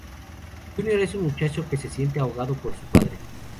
Junior es un muchacho que se siente ahogado por su padre.